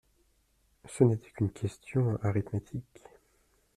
Ce n'était qu'une question d'arithmétique.